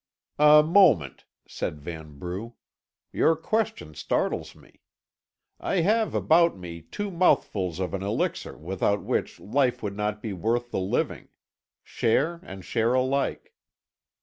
"A moment," said Vanbrugh. "Your question startles me. I have about me two mouthfuls of an elixir without which life would not be worth the living. Share and share alike."